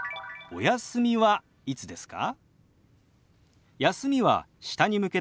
「お休みはいつですか？」。